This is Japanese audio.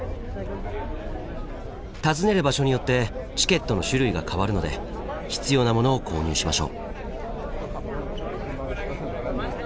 訪ねる場所によってチケットの種類が変わるので必要なものを購入しましょう。